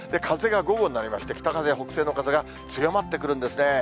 風が午後になりまして、北風や北西の風が強まってくるんですね。